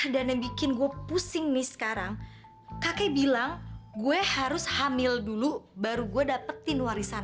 dan yang bikin gue pusing nih sekarang kakek bilang gue harus hamil dulu baru gue dapetin warisan